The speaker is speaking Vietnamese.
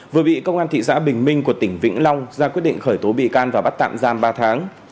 vừa bị công an thị xã bình minh của tỉnh vĩnh long ra quyết định khởi tố bị can và bắt tạm giam ba tháng